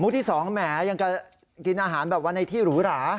มุกที่สองแหมกินอาหารแบบว่าในที่หรูหรา